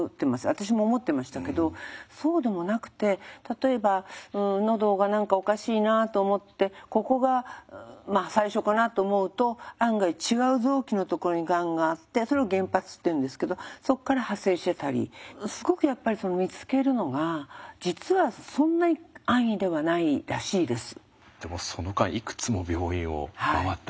私も思ってましたけどそうでもなくて例えばのどが何かおかしいなと思ってここが最初かなと思うと案外違う臓器のところにがんがあってそれを原発っていうんですけどそっから派生してたりすごくやっぱりでもその間いくつも病院を回ったわけですよね。